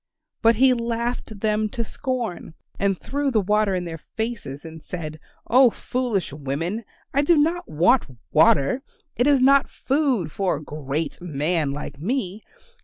But he laughed them to scorn, and threw the water in their faces and said, "Oh, foolish women, I do not want water; it is not food for a great man like me.